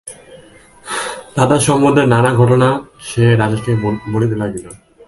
তাতা সম্বন্ধে নানা ঘটনা সে রাজাকে বলিতে লাগিল।